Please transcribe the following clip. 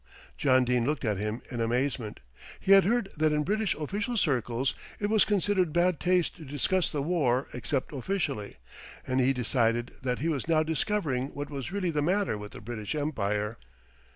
John Dene looked at him in amazement. He had heard that in British official circles it was considered bad taste to discuss the war except officially, and he decided that he was now discovering what was really the matter with the British Empire.